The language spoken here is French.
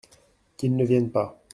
Qu’ils ne viennent pas.